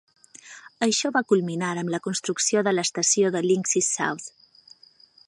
Això va culminar amb la construcció de l'estació de Llynclys South.